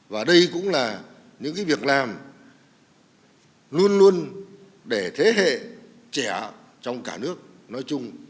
và đây cũng là những việc làm luôn luôn để thế hệ trẻ trong cả nước nói chung